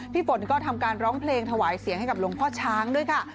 ฝนก็ทำการร้องเพลงถวายเสียงให้กับหลวงพ่อช้างด้วยค่ะ